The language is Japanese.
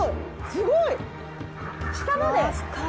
すごい！下まで！